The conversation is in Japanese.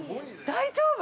大丈夫？